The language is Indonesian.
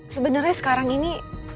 sebenarnya sekarang ini